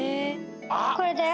これだよ。